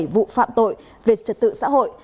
một năm trăm tám mươi bảy vụ phạm tội về trật tự xã hội